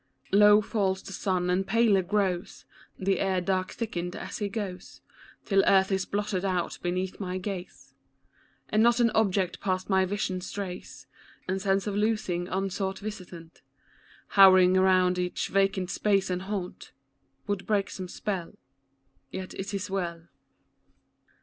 Low falls the sun, and paler grows The air, dark thickened as he goes, 'Till earth is blotted out beneath my gaze, And not an object past my vision strays ; And sense of losing, unsought visitant, Hov'ring around each vacant space and haunt, Would break some spell, Yet is it well.